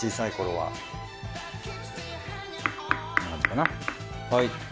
はい。